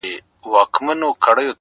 ويني ته مه څښه اوبه وڅښه ـ